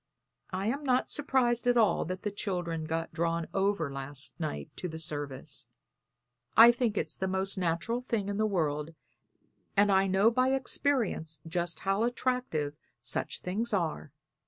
I am not surprised at all that the children got drawn over last night to the service. I think it's the most natural thing in the world, and I know by experience just how attractive such things are.